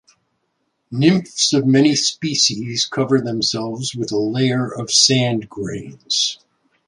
Nymphs of many species cover themselves with a layer of sand grains.